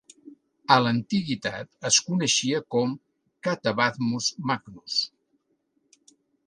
A l'antiguitat es coneixia com Catabathmus Magnus.